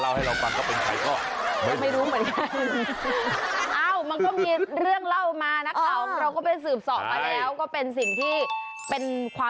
เจ้าแม่ปกปรักษาเคละจ๊ะคุยกับเหล่าบรรดาไอ้เคให้แล้ว